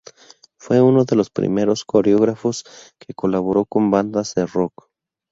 Fue uno de los primeros coreógrafos que colaboró con bandas de rock.